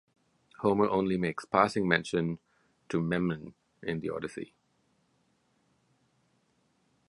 Homer only makes passing mention to Memnon in the Odyssey.